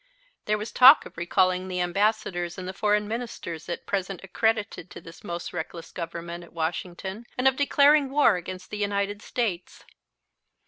There was talk of recalling the ambassadors and the foreign Ministers at present accredited to this most reckless Government at Washington and of declaring war against the United States.